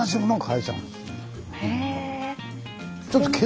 へえ。